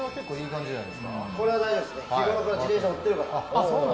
日ごろから自転車は乗ってるから。